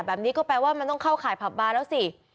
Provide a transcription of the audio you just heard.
แบบนี้ก็แปลว่ามันต้องเข้าข่ายผับบาร์แล้วสิ